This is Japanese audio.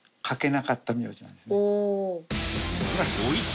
お。